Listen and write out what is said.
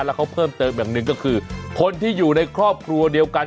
แล้วเขาเพิ่มเติมอย่างหนึ่งก็คือคนที่อยู่ในครอบครัวเดียวกัน